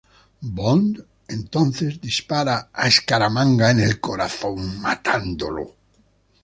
Bond entonces dispara a Scaramanga en el corazón, matándolo.